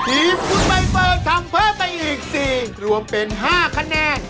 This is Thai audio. ทีมคุณใบเฟิร์นทำเพิ่มไปอีก๔รวมเป็น๕คะแนน